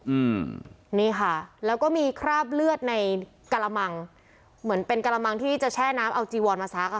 อืมนี่ค่ะแล้วก็มีคราบเลือดในกระมังเหมือนเป็นกระมังที่จะแช่น้ำเอาจีวอนมาซักอ่ะ